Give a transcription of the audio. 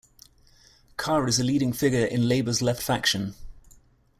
Carr is a leading figure in Labor's left faction.